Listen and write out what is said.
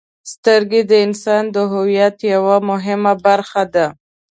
• سترګې د انسان د هویت یوه مهمه برخه ده.